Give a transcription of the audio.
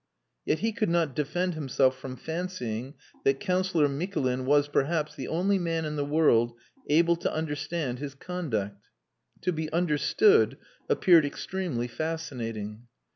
Yet he could not defend himself from fancying that Councillor Mikulin was, perhaps, the only man in the world able to understand his conduct. To be understood appeared extremely fascinating.